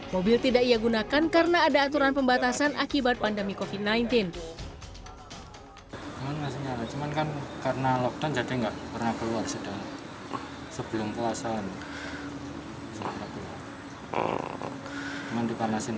mobil tidak ia gunakan karena ada aturan pembatasan akibat pandemi covid sembilan belas